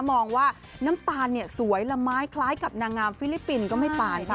มองว่าน้ำตาลเนี่ยสวยละไม้คล้ายกับนางงามฟิลิปปินส์ก็ไม่ปานค่ะ